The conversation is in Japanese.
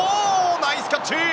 ナイスキャッチ！